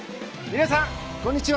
皆さん、こんにちは。